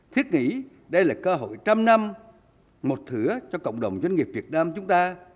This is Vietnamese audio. thiết nghĩ đây là cơ hội trăm năm một thửa cho cộng đồng doanh nghiệp việt nam chúng ta